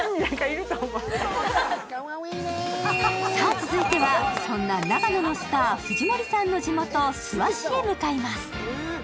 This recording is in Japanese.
続いてはそんな長野のスター藤森さんの地元・諏訪市へと向かいます。